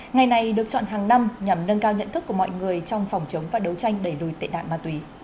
ngày này được chọn hàng năm nhằm nâng cao nhận thức của mọi người trong phòng chống và đấu tranh đẩy lùi tệ nạn ma túy